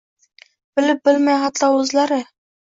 Bilib-bilmay hatto oʼzlari